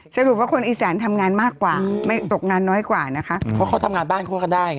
สรุปว่าคนอีสานทำงานมากกว่าไม่ตกงานน้อยกว่านะคะเพราะเขาทำงานบ้านเขาก็ได้